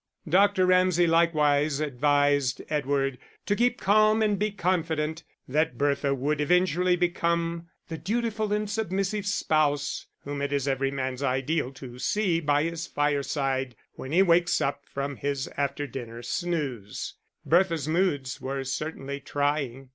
Dr. Ramsay likewise advised Edward to keep calm and be confident that Bertha would eventually become the dutiful and submissive spouse whom it is every man's ideal to see by his fireside, when he wakes up from his after dinner snooze. Bertha's moods were certainly trying.